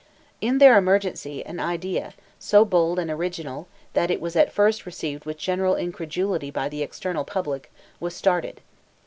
In their emergency, an idea, so bold and original, that it was at first received with general incredulity by the external public, was started.